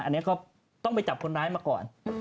อันนี้ก็ต้องไปจับคนร้ายมาก่อน